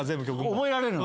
覚えられるの。